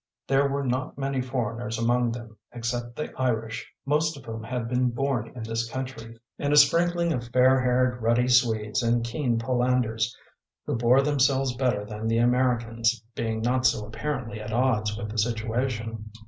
There were not many foreigners among them, except the Irish, most of whom had been born in this country, and a sprinkling of fair haired, ruddy Swedes and keen Polanders, who bore themselves better than the Americans, being not so apparently at odds with the situation.